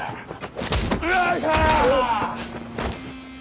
よいしょ！